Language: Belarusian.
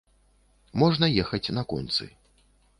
Можна ехаць на концы.